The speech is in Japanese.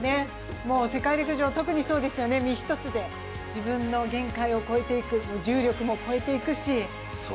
世界陸上、特にそうですよね、身一つで自分の限界を越えていく、重力も越えていくし。